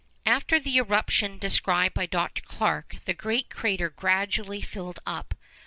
After the eruption described by Dr. Clarke, the great crater gradually filled up.